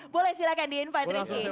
boleh silahkan diinvite riki